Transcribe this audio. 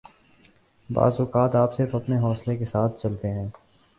بعض اوقات آپ صرف اپنے حوصلہ کے ساتھ چلتے ہیں